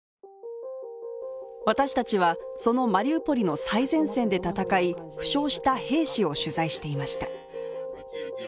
私たちは、そのマリウポリの最前線で戦い負傷した兵士を取材していました。